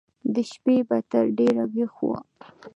د شپې به تر ډېره ويښ و.